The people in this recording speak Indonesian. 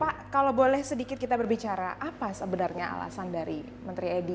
pak kalau boleh sedikit kita berbicara apa sebenarnya alasan dari menteri edi